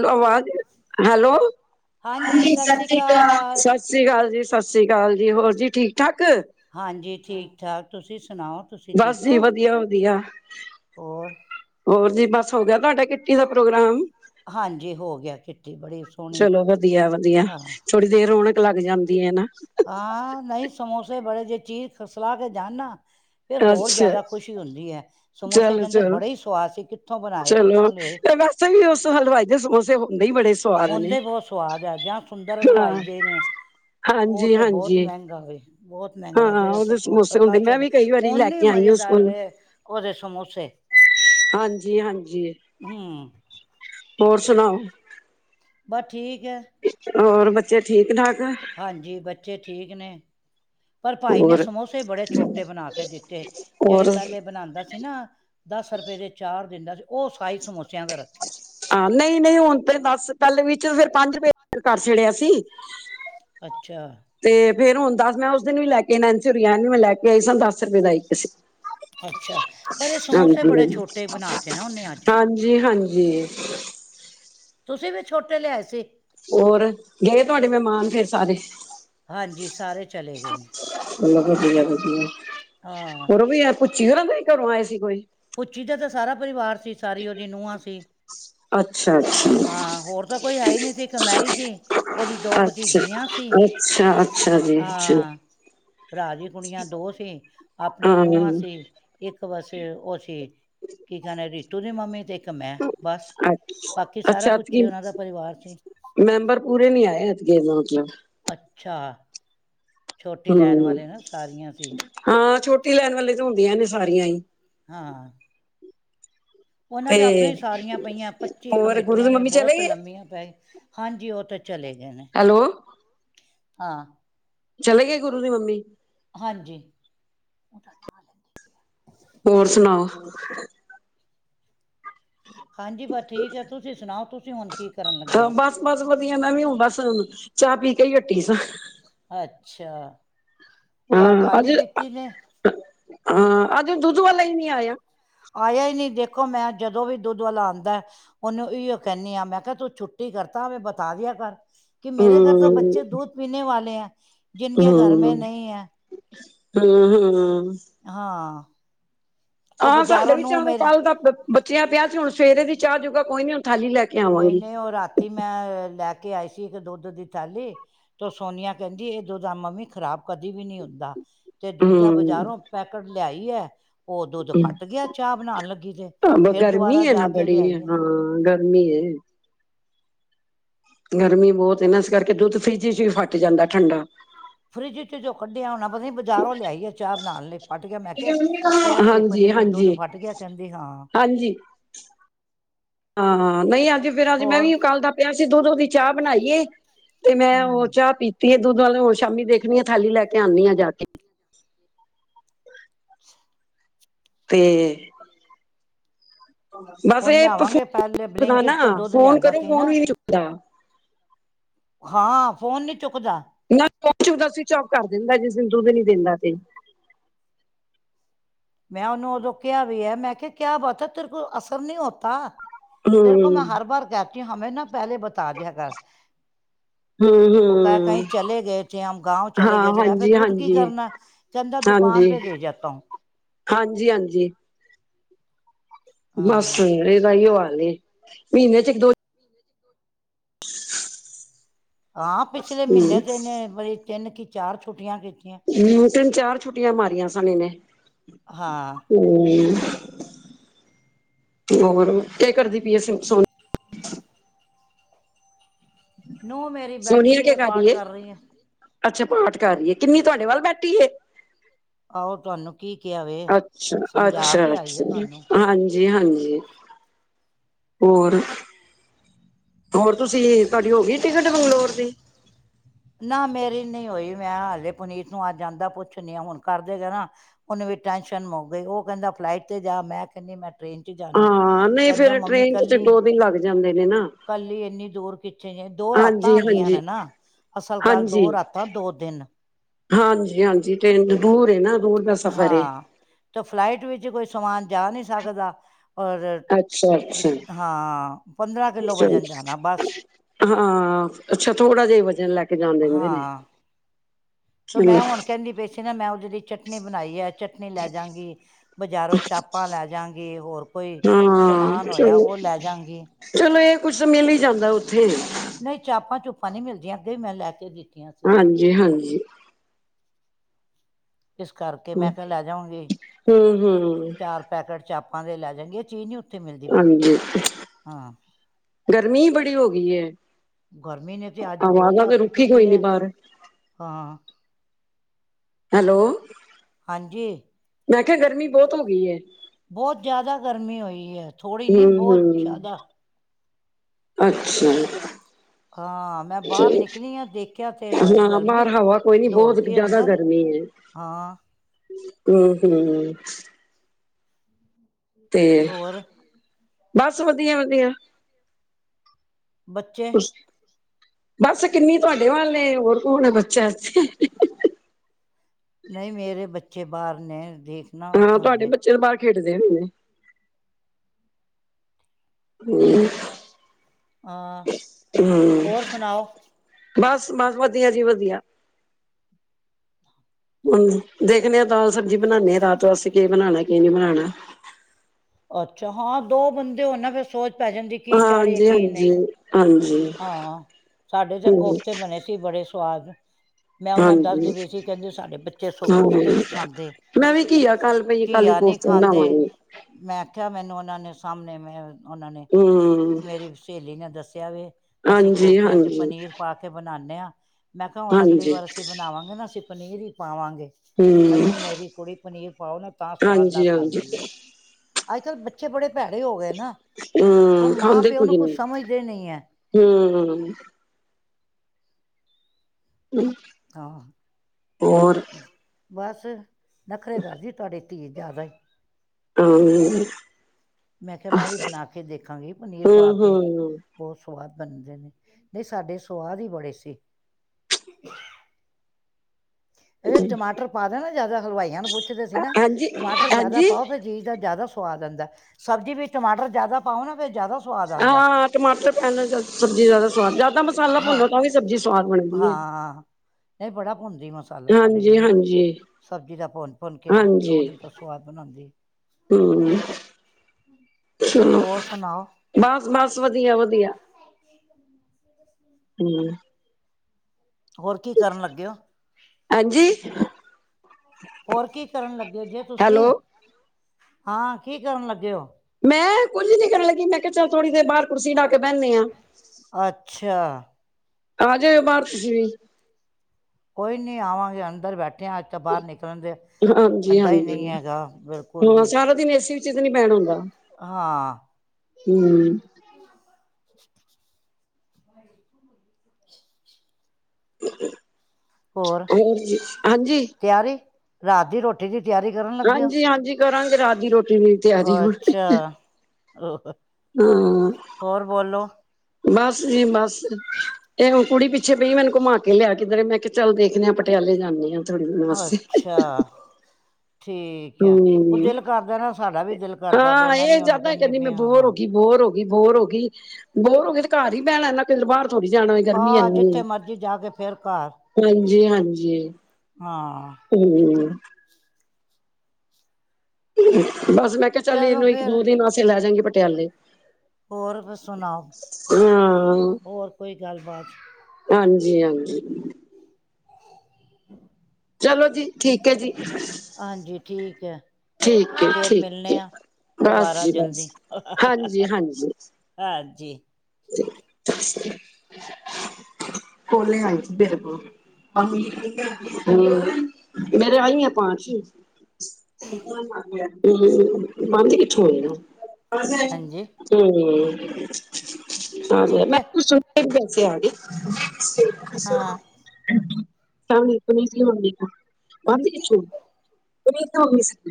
ਲੋ ਆਵਾਜ਼, ਹੈਲੋ ਹਾਂਜੀ। ਸਤਿ ਸ਼੍ਰੀ ਅਕਾਲ। ਸਤਿ ਸ਼੍ਰੀ ਅਕਾਲ ਜੀ। ਸਤਿ ਸ਼੍ਰੀ ਅਕਾਲ ਜੀ। ਹੋਰ ਜੀ ਠੀਕ ਠਾਕ। ਹਾਂਜੀ, ਠੀਕ ਠਾਕ। ਤੁਸੀਂ ਸੁਣਾਓ? ਤੁਸੀਂ ਬਸ ਠੀਕ ਜੀ ਹੋ ਵਧੀਆ! ਵਧੀਆ! ਹੋਰ ਹੋਰ ਜੀ ਬਸ ਹੋ ਗਿਆ ਤੁਹਾਡਾ ਕਿੱਟੀ ਦਾ ਪ੍ਰੋਗਰਾਮ। ਹਾਂਜੀ, ਹੋ ਗਿਆ ਕਿਟੀ ਬੜੀ ਸੋਹਣੀ ਚਲੋ ਵਧੀਆ ਵਧੀਆ ਹਾਂ। ਥੋੜ੍ਹੀ ਦੇਰ ਰੌਣਕ ਲੱਗ ਜਾਂਦੀ ਏ ਨਾ। ਹਾਂ ਨਹੀਂ ਸਮੋਸੇ ਬੜੇ, ਜੇਹ ਚੀਜ਼ ਸਲਾਹ ਕੇ ਜਾਨ ਨਾ ਫਿਰ ਹੋਰ ਅੱਛਾ। ਜ਼ਿਆਦਾ ਖੁਸ਼ੀ ਹੁੰਦੀ ਏ, ਸਮੋਸੇ ਚਲੋ ਕਹੰਦੇ ਚਲੋ ਬੜੇ ਈ ਸਵਾਦ ਸੀ, ਕਿੱਥੋਂ ਬਣਾਏ ਚਲੋ ਕਿੱਥੋਂ ਲਏ? ਵੈਸੇ ਵੀ ਉਸ ਹਲਵਾਈ ਦੇ ਸਮੋਸੇ ਹੁੰਦੇ ਹੀ ਬੜੇ ਸਵਾਦ ਨੇ ਹੁੰਦੇ ਬੌਤ ਸਵਾਦ ਐ, ਜਾਂ ਸੁੰਦਰ ਹਲਵਾਈ ਹਾਂ। ਦੇ ਨੇ। ਔਹ ਹਾਂਜੀ ਤੇ ਬਹੋਤ ਹਾਂਜੀ ਮਹੰਗਾ ਵੇ, ਬੋਹਤ ਹਾਂ ਮਹੰਗਾ ਜੇਹੜਾ ਉਹਦੇ ਸਤਵਾ ਸਮੋਸੇ ਹੁੰਦੇ ਪ੍ਰਕਾਸ਼ਔ ਮੈਂ ਦਾ ਵੀ ਕਈ ਵਾਰੀ ਹੁਣ ਲੈ ਨੀ ਕੇ ਆਈ ਉਸ ਮਜ਼ੇਦਾਰ ਕੋਲ ਰਹੇ ਉਹਦੇ ਸਮੋਸੇ। ਹਾਂਜੀ-ਹਾਂਜੀ। ਹੂੰ। ਹੋਰ ਸੁਣਾਓ? ਬਾ ਠੀਕ ਐ। ਹੋਰ ਬੱਚੇ ਠੀਕ ਠਾਕ? ਹਾਂਜੀ, ਬੱਚੇ ਠੀਕ ਨੇ? ਪਰ ਭਾਈ ਨੇ ਹੋਰ ਸਮੋਸੇ ਬੜੇ ਛੋਟੇ ਬਣਾ ਕੇ ਦਿੱਤੇ ਜਿਹੜੇ ਹੋਰ ਪੈਲੇ ਬਣਾਂਦਾ ਸੀ ਨਾ। ਦਾੱਸ ਰਪਏ ਦੇ ਚਾਰ ਦੇਂਦਾ ਸੀ, ਓ ਸਾਈਜ਼ ਸਮੋਸੇਆਂ ਦਾ ਰੱਖੇਆ। ਆ ਨਹੀਂ-ਨਹੀਂ ਹੁਣ ਤੇ ਦੱਸ ਪੈਲੇ ਵਿੱਚ ਫਿਰ ਪੰਜ ਰੁਪਏ ਕਰ ਛੜਿਆ ਸੀ। ਅੱਛਾ ਤੇ ਫੇਰ ਹੁਨ ਦਾੱਸ, ਮੈਂ ਉਸ ਦਿਨ ਵੀ ਲੈ ਕੇ, ਨੈਨਸੀ ਹੋਰੀ ਆਏ ਨੇ, ਮੈਂ ਲੈ ਕੇ ਆਈ ਸਾਂ ਦਾੱਸ ਰਪੇ ਦਾ ਇੱਕ ਸੀ। ਅੱਛਾ ਪਰ ਇਹ ਸਮੋਸੇ ਹਾਂਜੀ ਬੜੇ ਛੋਟੇ ਹਾਂ, ਬਣਾ ਤੇ ਨਾ ਉਹਨੇ ਅੱਜ ਹਾਂਜੀ-ਹਾਂਜੀ। [unintelligible] ਤੁਸੀਂ ਵੀ ਛੋਟੇ ਲਿਆਏ ਸੀ। ਹੋਰ ਗਏ ਤੁਹਾਡੇ ਮਹਿਮਾਨ ਫੇਰ ਸਾਰੇ? ਹਾਂਜੀ ਸਾਰੇ ਚਲੇ ਗਏ ਨੇ। ਚਲੋ ਵਧੀਆ-ਵਧੀਆ ਹਾਂ ਹੋਰ ਵੀ ਆ ਪੁੱਛੀ ਹੋਰਾਂ ਦੇ ਵੀ ਘਰੋਂ ਆਏ ਸੀ ਕੋਈ? ਫੁੱਚੀ ਦਾ ਤਾਂ ਸਾਰਾ ਪਰਿਵਾਰ ਸੀ'ਸਾਰੀ ਉਹਦੀ ਨੂੰਹਾਂ ਸੀ ਅੱਛਾ ਅੱਛਾ ਹਾਂ ਹੋਰ ਸਭ। ਕੋਈ ਹੈਈ ਨਹੀਂ ਸੀ ਇੱਕ ਮੈਂ ਹੀ ਸੀ ਉਹਦੀ ਦੋ ਅੱਛਾ ਭਤੀਜੀਆਂ ਸੀ। ਅੱਛਾ ਅੱਛਾ ਜੀ ਅੱਛਾ ਹਾਂ, ਭਰਾ ਦੀ ਕੁੜੀਆਂ ਦੋ ਸੀ'ਆਪਣੇ ਨੂੰਹਾਂ ਹਮ ਸੀ। ਇੱਕ ਬਸ ਉਹ ਸੀ ਕੀ ਕਹਿਣੇ ਰਿਤੂ ਦੀ ਮੰਮੀ ਤੇ। ਮੈਂ ਬਸ ਅੱਛਾ ਬਾਕੀ ਸਾਰਾ ਅੱਛਾ ਐਤਕੀ ਪੁੱਛੀ ਉਹਨਾਂ ਦਾ ਪਰਿਵਾਰ ਸੀ। ਮੈਂਬਰ ਪੂਰੇ ਨੀ ਆਏ [unintelligible] ਮਤਲਬ। ਅੱਛਾ ਛੋਟੀ ਲੈਣ ਹਮ ਵਾਲੇ ਨਾ ਸਾਰੀਆਂ ਸੀ। ਹਾਂ, ਛੋਟੀ ਲੈਣ ਵਾਲੇ ਤਾਂ ਹੁੰਦੀਆਂ ਨੇ ਸਾਰੀਆਂ ਹੀ। ਹਾਂ। ਉਹਨਾਂ ਤੇ ਦੇ ਆਪਣੇ ਸਾਰੀਆਂ ਪਈਆਂ ਪੱਚੀ ਹੋਰ ਗੁਰੂ ਦੀ ਕਮੇਟੀਆਂ ਨੇ ਮੰਮੀ ਚਲੇ ਬਹੁਤ ਗਏ ਲੰਮੀਆਂ ਪਏ। ਹਾਂਜੀ ਉਹ ਤਾਂ ਚਲੇ ਗਏ ਨੇ' ਹੈਲੋ ਹਾਂ। ਚਲੇ ਗਏ ਗੁਰੂ ਦੀ ਮੰਮੀ। ਹਾਂਜੀ। ਹੋਰ ਸੁਣਾਓ। ਹਾਂਜੀ ਬਸ ਠੀਕ ਹੈ' ਤੁਸੀਂ ਸੁਣਾਓ ਤੁਸੀਂ ਹੁਣ ਕੀ ਕਰਨ ਲੱਗੇ ਹਾਂ ਹੋ? ਬਸ ਬਸ ਵਧੀਆ ਮੈਂ ਵੀ ਹੁਣ ਬਸ ਹੁਣ ਚਾਹ ਪੀ ਕੇ ਹੀ ਹਟੀ ਸਾ। ਅੱਛਾ ਚਾਹ ਹਾਂ ਅੱਜ ਖਾਲੀ ਪੀਤੀ ਨੇ? ਹਾਂ, ਅੱਜ ਦੁੱਧ ਵਾਲਾ ਹੀ ਨੀ ਆਇਆ। ਆਇਆ ਹੀ ਨੀ ਦੇਖੋ ਮੈਂ ਜਦੋਂ ਵੀ ਦੁੱਧ ਵਾਲਾ ਆਂਦਾ ਉਹਨੂੰ ਓ ਕਹਿੰਦੀ ਆ ਮੈਂ ਕਿਹਾ ਤੂੰ ਛੁੱਟੀ ਕਰਤਾ ਹਮੈ ਬਤਾ ਦਿਆ ਕਰ। ਕਿ ਮੇਰੇ ਗ਼ਰ ਤੋਂ ਹਮ ਬੱਚੇ ਦੂਧ ਪੀਣੇ ਵਾਲੇ ਹੈ। ਹੂੰ ਹੂੰ ਹੂੰ। ਹਾਂ। ਉਹ ਹਾਂ ਸਾਡੇ ਬਾਜ਼ਾਰੋਂ ਵੀ ਚ ਨੂੰਹ ਮੇਰੀ ਕੱਲ ਤਾਂ ਬੱਚਿਆਂ ਪਿਆ ਸੀ ਹੁਣ ਸਵੇਰੇ ਦੀ ਚਾਹ ਜੂਗਾ ਕੋਈ ਨੀ ਹੁਣ ਥੈਲੀ ਲੈ ਕੇ। ਨਹੀਂ ਆਵਾਂਗੀ ਨਹੀਂ, ਉਹ ਰਾਤੀ ਮੈਂ ਲੈ ਕੇ ਆਈ ਸੀ ਇੱਕ ਦੁੱਧ ਦੀ ਥੈਲੀ। ਤੇ ਸੋਨੀਆ ਕਹਿੰਦੀ ਇਹ ਦੁੱਧ ਆ ਮੰਮੀ ਖ਼ਰਾਬ ਕਦੀ ਵੀ ਨੀ ਹੁੰਦਾ। ਤੇ ਦੂਜਾ ਬਜ਼ਾਰੋਂ ਪੈਕਟ ਲਿਆਈ ਐ। ਉਹ ਦੁੱਧ ਫੱਟ ਹਮ ਗਿਆ ਚਾਹ ਬਣਾਣ ਲੱਗੀ ਤੇ' ਫੇਰ ਗਰਮੀ ਦੁਬਾਰਾ ਹੈ ਨਾ ਜਾ ਕੇ ਬੜੀ ਹਾਂ ਲਿਆਈਏ। ਗਰਮੀ ਏ। ਗਰਮੀ ਬਹੁਤ ਏ ਨਾ ਇਸ ਕਰਕੇ ਦੁੱਧ ਫਰਿੱਜ ਚ ਵੀ ਫੱਟ ਜਾਂਦਾ ਠੰਡਾ। ਫਰਿੱਜ ਚ ਜੋ ਕੱਢਿਆ ਹੋਣਾ ਪਤਾ ਨੀ ਬਜ਼ਾਰੋਂ ਲਿਆਈ ਆ ਚਾਹ ਬਣਾਉਣ ਲਈ। ਫਟ ਗਿਆ'ਮੈਂ ਕਿਹਾ ਇਹ ਕਿ ਹਾਂਜੀ, ਪਨੀਰ ਦੁੱਧ ਹਾਂਜੀ, ਫਟ ਗਿਆ ਕਹਿੰਦੀ ਹਾਂ। ਹਾਂਜੀ। [unintelligible] ਹਾਂ, ਨਹੀਂ ਅੱਜ ਫਿਰ ਅੱਜ ਮੈਂ ਹੋਰ ਵੀ ਓ ਕੱਲ ਦਾ ਪਿਆ ਸੀ ਦੁੱਧ ਓਦੀ ਚਾਹ ਬਣਾਈ ਏ। ਤੇ ਮੈਂ ਉਹ ਹਮ ਚਾਹ ਪੀਤੀ ਹੈ'ਦੁੱਧ ਨਾਲੇ ਸ਼ਾਮੀ ਦੇਖਣੀ ਆ ਥਾਲੀ ਲੈ ਕੇ ਆਂਦੀ ਆ ਜਾ ਕੇ। ਤੇ, ਬਸ ਹੁਣ ਇਹ ਫੋ ਲਿਆਵਾਂਗੇ ਪਹਿਲੇ ਚੁੱਕਦਾ ਨਾ ਬਲਿੰਕਟ ਤੋਂ ਦੁੱਧ ਫੋਨ ਲਿਆਂਦਾ ਕਰੋ ਸੀ ਫੋਨ ਨਾ ਵੀ ਨੀ ਚੁੱਕਦਾ। ਹਾਂ ਫੋਨ ਨਹੀਂ ਚੁੱਕਦਾ। ਨਾ ਸਵਿਚ ਆਫ ਕਰ ਦਿੰਦਾ ਜਿਸ ਦਿਨ ਦੁੱਧ ਨੀ ਦਿੰਦਾ ਸੀ। ਮੈਂ ਉਹਨੂੰ ਉਦੋਂ ਕਿਹਾ ਵੀ ਹੈ ਮੈਂ ਕਿਹਾ ਕਿਆ ਬਤਾ ਤੇਰੇ ਕੋਲ ਅਸਰ ਨੀ ਹੋਤਾ। ਤੇਰੇ ਕੋ ਹੂੰ। ਮੈਂ ਹਰ ਵਾਰ ਕਹਿਤੀ ਹੂੰ ਹਮੇ ਨਾ ਪਹਿਲੇ ਬਤਾ ਦੀਆ ਕਰ। ਹੂੰ, ਉਹ ਕ ਕਹੀ ਹੂੰ ਚਲੇ ਗ ਏਥੇ ਹਮ ਗਾਵ ਚਲੇ ਹਾਂ ਗਏ ਮੈਂ ਫੇਰ ਹਾਂਜੀ, ਦੁੱਧ ਕੀ ਹਾਂਜੀ, ਕਰਨਾ। ਕਹਿੰਦਾ ਦੁਕਾਨ ਪੇ ਦੇ ਜਾਤਾ ਹੂੰ। ਹਾਂਜੀ-ਹਾਂਜੀ। ਬਸ ਇਹਦਾ ਇਹੀਓ ਹਾਲ ਏ ਮਹੀਨੇ ਚ ਇੱਕ ਦੋ। [inaudible] ਹਾਂ ਪਿਛਲੇ ਹੂੰ ਮਹੀਨੇ ਤਿੰਨ ਵੀ ਤਿੰਨ ਕਿ ਚਾਰ ਛੁੱਟੀਆਂ ਨਿਊਟਨ ਚਾਰ ਛੁੱਟੀਆਂ ਮਾਰੀਆਂ ਸਨ ਇਹਨੇ। ਹਾਂ ਹਮ, ਹੋਰ, ਇਹ ਕਰਦੀ ਪਈ ਅਸੀ ਸੋ ਨੂੰਹ ਮੇਰੀ ਸੋਨੀਆ ਬੈਠੀ ਕੀ ਆ ਪਾਠ ਏ ਕਰ ਰਹੀ ਆ। ਅੱਛਾ ਪਾਠ ਕਰਹੀਏ ਗਿੰਨੀ ਤੁਹਾਡੇ ਵੱਲ ਬੈਠੀ ਏ। ਆਹੋ ਤੁਹਾਨੂੰ ਕੀ ਕਿਹਾ ਵੇ। ਅੱਛਾ ਸਮਝਾ -ਅੱਛਾ- ਕੇ ਆਈ ਹੈ ਅੱਛਾ, ਤੁਹਾਨੂੰ ਹਮ ਹਾਂਜੀ। ਜੀ ਹਾਂਜੀ। ਹੋਰ ਹੋਰ ਤੁਸੀਂ ਤੁਹਾਡੀ ਹੋ ਗਈ ਟਿਕਟ ਬੰਗਲੋੌਰ ਦੀ? ਨਾ ਮੇਰੀ ਨਹੀਂ ਹੋਈ ਮੈਂ ਹਾਲੇ ਪੁਨੀਤ ਨੂੰ ਅੱ ਜਾਂਦਾ ਪੁੱਛ ਨ ਆ ਹੁਣ ਕਰਦੇ ਗ ਨਾ। ਉਹਨੂੰ ਵੀ ਟੈਨਸ਼ਨ ਮੁਕ ਗਈ। ਉਹ ਕਹਿੰਦਾ ਫਲਾਈਟ ਤੇ ਜਾ ਮੈਂ ਕਹਿੰਦੀ ਮੈਂ ਟ੍ਰੇਨ ਚ' ਜਾਣਾ। ਹਾਂ ਨਹੀਂ ਕਹਿੰਦਾ ਫੇਰ ਮੰਮੀ ਟ੍ਰੇਨ ਚ ਤੇ ਕੱਲੀ, ਦੋ ਦਿਨ ਲੱਗ ਜਾਂਦੇ ਨੇ ਨਾ ਕੱਲੀ ਇੰਨੀ ਦੂਰ ਕੀਤੀ ਪਿੱਛੇ ਦੋ ਰਾਤਾਂ ਹਾਂਜੀ ਆਉਂਦੀਆਂ ਹਾਂਜੀ ਨੇ ਨਾ। ਅਸਲ ਗੱਲ ਹਾਂਜੀ। ਦੋ ਰਾਤਾਂ ਦੋ ਦਿਨ ਹਾਂਜੀ -ਹਾਂਜੀ ਤੇਨ ਦੂਰ ਨਾ। ਦੂਰ ਦਾ ਸਫ਼ਰ ਏ ਹਾਂ, ਤੇ ਫਲਾਈਟ ਵਿੱਚ ਕੋਈ ਸਮਾਨ ਜਾ ਨਹੀਂ ਸਕਦਾ। ਔਰ ਅੱਛਾ ਅੱਛਾ ਹਾਂ ਪੰਦਰਾਂ ਕਿਲੋ ਵਜਨ ਜਾਣਾ। ਬਸ ਹਾਂ, ਅੱਛਾ। ਥੋੜਾ ਜਿਹਾ ਵਜ਼ਨ ਲੈ ਕੇ ਜਾਣ ਦਿੰਦੇ ਨੇ। ਹਾਂ ਤੇ ਚਲੋ ਮੈਂ ਹੁਣ ਕਹਿੰਦੀ ਪਈ ਸੀ ਨਾ ਮੈਂ ਉਹਦੇ ਦੀ ਚਟਨੀ ਬਣਾਈ ਹੈ। ਚ ਚਟਣੀ ਲੈ ਜਾ ਗੀ। ਬਾਜ਼ਾਰੋਂ ਚਾਪਾਂ ਲੈਜਾਗੀ। ਹੋਰ ਕੋਈ ਸਮਾਨ ਹਾਂ ਹੋਇਆ ਚਲੋ ਉਹ ਲੈ ਜਾਗੀ। ਚਲੋ, ਇਹ ਕੁੱਛ ਤਾਂ ਮਿਲ ਹੀ ਜਾਂਦਾ ਉੱਥੇ। ਨਹੀਂ, ਚਾਪਾਂ- ਚੁੱਪਾਂ ਨਹੀਂ ਮਿਲਦੀਆਂ। ਅੱਗੇ ਮੈਂ ਲੈ ਕੇ ਦਿੱਤੀਆਂ ਸੀ। ਹਾਂਜੀ -ਹਾਂਜੀ। ਇਸ ਕਰਕੇ ਹਮ ਮੈਂ ਕਿਹਾ ਲੈ ਜਾਊਗੀ। ਹਮ ਚਾਰ ਪੈਕਟ ਚਾਪਾਂ ਦੇ ਲੈ ਜਾਗੀ। ਇਹ ਚੀਜ਼ ਨੀ ਉੱਥੇ ਮਿਲਦੀ। ਹਾਂਜੀ ਹਾਂ। ਗਰਮੀ ਬੜੀ ਹੋ ਗਈ ਹੈ। ਗਰਮੀ ਨੇ ਤੇ ਅੱਜ ਬਹੁਤ ਆਵਾਜ਼ਾਂ ਤੇ ਤੱਤ ਰੁਕੀ ਕੋਈ ਚੁੱਕੀ ਨੀ ਹੈ। ਬਾਹਰ ਹਾਂ। ਹੈਲੋ, ਹਾਂਜੀ। ਮੈਂ ਕਿਹਾ, ਗਰਮੀ ਬਹੁਤ ਹੋ ਗਈ ਹੈ। ਬਹੁਤ ਜ਼ਿਆਦਾ ਗਰਮੀ ਹੋਈ ਹੈ ਥੋੜ੍ਹੀ ਨਹੀਂ ਹਮ ਬਹੁਤ ਹਮ ਜ਼ਿਆਦਾ। ਅੱਛਾ। ਹਾਂ, ਮੈਂ ਬਾਹਰ ਨਿਕਲੀ ਆ ਦੇਖਿਆ ਤੇ ਹਾਂ ਗਰਮੀ ਬਾਹਰ ਹਵਾ ਕੋਈ ਨੀ ਦੌੜ ਬਹੁਤ ਕੇ ਜ਼ਿਆਦਾ ਅੰਦਰ। ਗਰਮੀ ਹੈ ਹਾਂ। ਹਮ- ਹਮਮ ਤੇ, ਹੋਰ ਬਸ ਵਧੀਆ -ਵਧੀਆ। ਬੱਚੇ ਬਸ, ਗਿੰਨੀ ਤੁਹਾਡੇ ਵੱਲ ਨੇ, ਹੋਰ ਕੌਣ ਬੱਚਾ ਇੱਥੇ। ਨਹੀਂ, ਮੇਰੇ ਬੱਚੇ ਬਾਹਰ ਨੇ। ਦੇਖ ਹਾਂ, ਤੁਹਾਡੇ ਬੱਚੇ ਦੇ ਬਾਹਰ ਖੇਡਦੇ ਹੁੰ ਨੇ। ਹਮ- ਹਾਂ ਹੋਰ ਸੁਣਾਓ ਹਮ ਬਸ -ਬਸ ਵਧੀਆ ਜੀ, ਵਧੀਆ। ਹ ਦੇਖਦੇ ਹਾਂ, ਦਾਲ- ਸਬਜ਼ੀ ਬਣਾਉਂਦੇ ਹਾ। ਰਾਤ ਅਸੀਂ ਕੇ ਬਣਾਉਣਾ ਕਿ ਨਹੀਂ ਬਣਾਉਣਾ। ਅੱਛਾ ਹਾਂ। ਦੋ ਬੰਦੇ ਉਹ ਨਾ ਫਿਰ ਸੋਚ ਪੈ ਜਾਂਦੀ। ਕੀ ਹਾਂ। ਚਾੜੀਏ ਹਾਂਜੀ ਕੀ -ਹਾਂਜੀ ਨਹੀਂ -ਹਾਂਜੀ। ਹਾਂ। ਸਾਡੇ ਤੇ ਹੂੰ, ਕੋਫਤੇ ਬਣੇ ਸੀ ਬੜੇ ਸਵਾਦ। ਮੈਂ ਉਹਨਾਂ ਨੂੰ ਦੱਸਦੀ ਹਾਂਜੀ ਪਈ ਸੀ ਕਹਿੰਦੀ ਸਾਡੇ ਬੱਚੇ ਸੋੱਕਫਤੇ ਹਾਂਜੀ ਨੀ ਖਾਂਦੇ, ਕਾਲੀ ਘੀਆ ਨੀ। ਕੋਫਤੇ ਚਿੰਨਾ ਬੋਲਦੀ ਪਈ। ਮੈਂ ਆਖਿਆ, ਮੈਨੂੰ ਉਹਨਾਂ ਨੇ ਸਾਹਮਣੇ ਮੈਂ ਉਹਨਾਂ ਨੇ ਹੂੰ ਮੇਰੀ ਸਹੇਲੀ ਨੇ ਦੱਸਿਆ ਵੀ ਅਸੀਂ ਹਾਂਜੀ ਕੋਫਤਿਆਂ ਚ' ਹਾਂਜੀ ਪਨੀਰ ਪਾ ਕੇ ਬਣਾਂਨੇ ਆਂ, ਮੈਂ ਕਿਹਾ ਹੁਣ ਅਗਲੀ ਹਾਂਜੀ ਵਾਰ ਅਸੀਂ ਬਣਾਵਾਂਗੇ ਨਾ, ਅਸੀਂ ਪਨੀਰ ਹੀ ਪਾਵਾਂਗੇ। ਹੂੰ ਹਾਂਜੀ, ਮੇਰੀ ਕੁੜੀ ਪਨੀਰ ਪਾਓ ਨਾ, ਤਾਂ ਸਵਾਦ ਨਾਲ ਹਾਂਜੀ ਹਾਂਜੀ ਖਾਂਦੀ ਏ। ਅੱਜ-ਕੱਲ ਬੱਚੇ ਬੜੇ ਭੈੜੇ ਹੋ ਗਏ ਨਾ, ਉਹ ਹੂੰ ਖਾਂਦੇ ਮਾਂ-ਪਿਓ ਕੁਝ ਨੂੰ ਕੁਛ ਨਹੀਂ ਸਮਝਦੇ ਨਹੀਂ ਐ। ਹੂੰ। ਅਹ ਹਾਂ। ਹੋਰ? ਬਸ। ਨੱਖਰੇ ਕਰਦੀ ਤੁਹਾਡੀ ਧੀ ਜ਼ਿਆਦਾ ਹੀ। ਆਂ ਮੈਂ ਕਿਹਾ, ਮੈਂ ਵੀ ਬਣਾਕੇ ਦੇਖਾਂਗੀ ਪਨੀਰ ਪਾਕੇ। ਹਮ ਬਹੁਤ ਸਵਾਦ ਬਣਦੇ ਨੇ। ਨਹੀਂ, ਸਾਡੇ ਸਵਾਦ ਹੀ ਬੜੇ ਸੀ। ਇਹ ਟਮਾਟਰ ਪਾ ਦੇਣਾ ਜ਼ਿਆਦਾ, ਹਲਵਾਈਆਂ ਨੂੰ ਪੁੱਛਦੇ ਸੀ ਨਾ। ਹਾਂਜੀ ਟਮਾਟਰ ਜਿਆਦਾ ਹਾਂਜੀ ਪਾਓ ਫ ਚੀਜ਼ ਦਾ ਜ਼ਿਆਦਾ ਸਵਾਦ ਆਂਦਾ। ਸਬਜ਼ੀ ਵਿੱਚ ਟਮਾਟਰ ਜਿਆਦਾ ਪਾਓ ਨਾ, ਫਿ ਜ਼ਿਆਦਾ ਸਵਾਦ ਆਉਂਦਾ ਆਂ, ਟਮਾਟਰ ਪੈਣ ਨਾਲ ਸਬਜ਼ੀ ਜ਼ਿਆਦਾ ਸਵਾਦ, ਜਿਆਦਾ ਮਸਾਲਾ ਹਾਂ ਭੁੰਨੋ, ਤਾਂ ਵੀ ਸਬਜ਼ੀ ਸਵਾਦ ਬਣਦੀ ਏ। ਹਾਂ ਨਹੀਂ ਬੜਾ ਭੁੰਨਦੀ ਮਸ ਮਸਾਲਾ ਸਾਡੇ ਹਾਂਜੀ ਨੂੰਹ ਨਾ, ਹਾਂਜੀ ਸਬਜ਼ੀ ਦਾ ਭੁੰਨ-ਭੁੰਨ ਕੇ ਸੋਨੇ ਤੋਂ ਸੁਵਾਦ ਬਣਾਂਦੀ। ਹੂੰ। ਹੋਰ, ਸੁਣਾਓ? ਬਸ-ਬਸ। ਵਧੀਆ-ਵਧੀਆ। ਹੂੰ। ਹੋਰ, ਕੀ ਕਰਨ ਲੱਗੇ ਹੋ? ਹੈਂਜੀ! ਹੋਰ ਕੀ ਕਰਨ ਲੱਗੇ ਹੋ, ਜੇ ਹੈਲੋ ਤੁਸੀਂ? ਹਾਂ, ਕੀ ਕਰਨ ਲੱਗੇ ਹੋ? ''ਮੈਂ ਕੁੱਝ ਨੀ ਕਰਨ ਲੱਗੀ, ਮੈਂ ਕਿਹਾ ਚੱਲ, ਥੋੜ੍ਹੀ ਦੇਰ ਬਾਹਰ ਕੁਰਸੀ ਡਾਕੇ ਬਹਿਨੇ ਆਂ। ਅੱਛਾ! ਆਜੇ, ਓ ਬਾਹਰ ਤੁਸੀਂ ਵੀ। ਕੋਈ ਨਹੀਂ ਆਵਾਂਗੇ, ਅੰਦਰ ਬੈਠ ਇਕਠਿਆਂ ਅੱਜ ਤਾਂ ਬਾਹਰ ਨਿਕਲਣ ਦੇ ਹਾਂਜੀ ਪੈਂਦਾ ਹੀ ਹਾਂਜੀ ਨਹੀਂ ਹੈਗਾ, ਬਿਲਕੁਲ ਵੀ। ਈ'ਚ ਨਹੀਂ ਪੈਣ ਹੁੰਦਾ। ਹਾਂ। ਹੂੰ। [inaudible] ਹ [inaudible] ਹੋਰ, ਹਾਂਜੀ ਤਿਆਰੀ, ਰ੍ਹਾਤ ਦੀ ਰੋਟੀ ਦੀ ਤਿਆਰੀ? ਕਰਨ ਲੱਗੇ ਹਾਂਜੀ-ਹਾਂਜੀ, ਕਰਾਂਗੇ ਰਾਤ ਦੀ ਰ੍ਹੋ ਤਿਆਰੀ ਹੋ ਹੋਣ, ਅੱਛਾ ਹਾਂ। ਹੋਰ ਬੋਲੋ ਬਸ ਜੀ, ਬਸ। ਤੇ ਓਹ ਕੁੜੀ ਪਿੱਛੇ ਪਈ, ਮੈਨੂੰ ਘੁੰਮਾਕੇ ਲਿਆ ਕਿੱਧਰੇ, ਮੈਂ ਕਿਹਾ ਚੱਲ ਦੇਖਦੇ ਆਂ, ਪਟਿਆਲੇ ਜਾਂਨੇ ਆਂ। ਥੋੜੀ ਨਵਾੱਸੀ ਅੱਛਾ ਠੀਕ ਯਾ। ਉਹ ਹਮ ਦਿਲ ਕਰਦਾ ਨਾ, ਸਾਡਾ ਵੀ ਦਿਲ ਕਰਦਾ ਪਿਆ, ਹਾਂ ਮੈਂ ਵੀ, ਇਹ ਉਹਨੂੰ ਜ਼ਿਆਦਾ ਕਹਿੰਦੀ ਪਈ ਮੈਂ ਹ ਬੋਰ ਹੋ ਹਾਂ ਗਈ ਬੋਰ ਹੋ ਗੀ, ਬੋਰ ਹੋਗੀ, ਬੋਰ ਹੋ ਗਈ ਤੇ ਘਰ ਹੀ ਬਹਿਣਾ ਨਾ, ਕਿੱਧਰ ਬਾਹਰ ਥੋੜ੍ਹੀ ਜਾਣਾ, ਗਰਮੀ ਆ ਇਹਨੀ ਜਿੱਥੇ ਏ, ਮਰਜੀ ਜਾ ਕੇ ਫਿਰ ਘਰ ਹਾਂਜੀ-ਹਾਂਜੀ। ਹਾਂ। ਹੂੰ ਬਸ। ਮੈਂ ਕਿਹਾ ਚੱਲ ਚਲੋ ਇਹਨੂੰ ਫਿਰ ਇੱਕ-ਦੋ ਦਿਨ ਵਾਸਤੇ ਲੈ ਜਾਗੀ, ਪਟਿਆਲੇ। ਹੋਰ ਫਿਰ ਸੁਣਾਓ, ਹਾਂ ਹੋਰ ਕੋਈ ਗੱਲਬਾਤ? ਹਾਂਜੀ-ਹਾਂਜੀ। ਚਲੋ ਜੀ ਠੀਕ ਹੈ ਜੀ ਹਾਂਜੀ ਠੀਕ ਐ, ਠੀਕ ਏ ਫਿਰ ਠੀਕ ਮਿਲਣੇ ਏ ਆ। ਬਸ ਦਬਾਰਾ ਜੀ ਬਸ ਜਲਦੀ। ਹਾਂਜੀ ਹਾਹਾਹਾ--ਹਾਂਜੀ। ਕੋੋਲੇ ਆਈ ਥੀ ਤੇਰੇਕੋ ਹੂੰ। ਮੇਰੇ ਆਈ ਹੈਂ ਪਾਂਚ। ਹੂੰ ਬੰਦ ਕਿੱਥੋਂ ਹੋਣੀ ਆ। ਹਾਂਜੀ ਹੂੰ। ਠੀਕ ਹੈ ਹਾਂ [unintelligible] [unintelligible] [unintelligible]